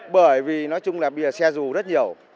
bởi vì nói chung là bây giờ xe dù rất nhiều